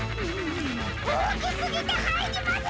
おおきすぎてはいりません！